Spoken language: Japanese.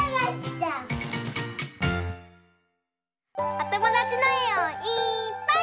おともだちのえをいっぱい。